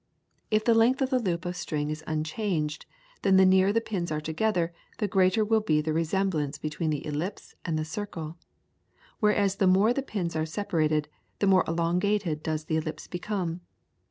If the length of the loop of string is unchanged then the nearer the pins are together, the greater will be the resemblance between the ellipse and the circle, whereas the more the pins are separated the more elongated does the ellipse become.